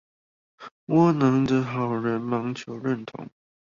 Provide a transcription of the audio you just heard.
窩囊的好人忙求認同